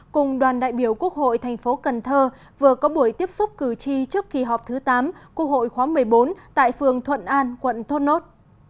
cùng đoàn đại biểu quốc hội thành phố cần thơ vừa có buổi tiếp xúc cử tri trước kỳ họp thứ tám quốc hội khóa một mươi bốn tại phường thuận an quận thốt nốt